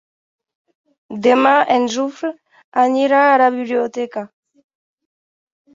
Demà en Jofre anirà a la biblioteca.